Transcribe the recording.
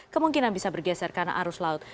kemungkinan bisa bergeser karena arus laut